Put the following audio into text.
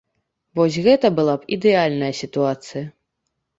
Вось гэта была б ідэальная сітуацыя!